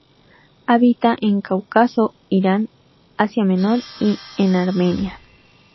Habita en Cáucaso, Irán, Asia Menor y en Armenia.